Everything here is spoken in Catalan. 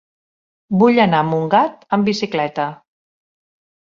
Vull anar a Montgat amb bicicleta.